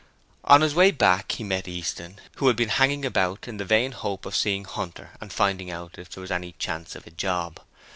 On his way back he met Easton, who had been hanging about in the vain hope of seeing Hunter and finding out if there was any chance of a job.